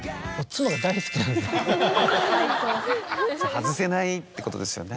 外せないってことですよね。